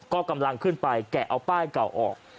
ก็กำลังขึ้นไปแกะเอาป้ายเก่าออก